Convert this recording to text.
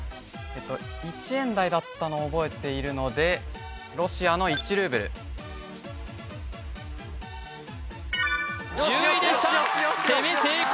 １円台だったのを覚えているのでロシアの１０位でした攻め成功